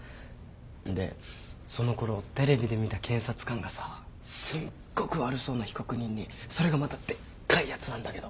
でそのころテレビで見た検察官がさすっごく悪そうな被告人にそれがまたでっかいやつなんだけど。